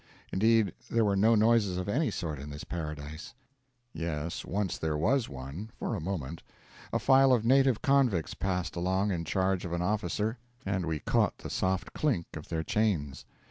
Indeed, there were no noises of any sort in this paradise. Yes, once there was one, for a moment: a file of native convicts passed along in charge of an officer, and we caught the soft clink of their chains.